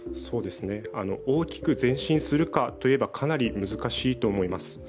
大きく前進するかといえば、かなり難しいと思います。